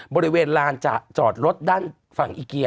บริเวณลานจะจอดรถด้านฝั่งอีเกีย